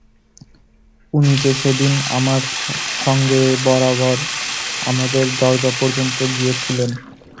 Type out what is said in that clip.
উনি যে সেদিন আমার সঙ্গে বরাবর আমাদের দরজা পর্যন্ত গিয়েছিলেন।